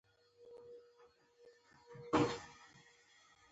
پوه خلک خبرې کمې، خو پوره کوي.